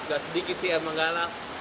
enggak sedikit sih emang galak